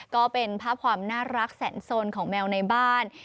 ก็เป็นภาพความน่ารักแสนสนของแมวในบ้าน